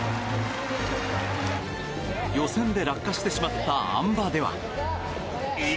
予選で落下してしまったあん馬では。